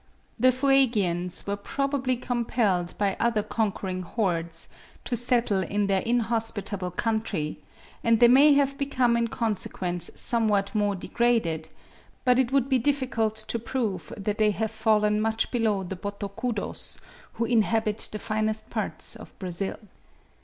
The Fuegians were probably compelled by other conquering hordes to settle in their inhospitable country, and they may have become in consequence somewhat more degraded; but it would be difficult to prove that they have fallen much below the Botocudos, who inhabit the finest parts of Brazil.